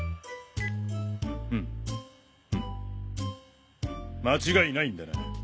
うんうん間違いないんだな？